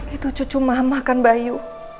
itu cucu mama makan bayu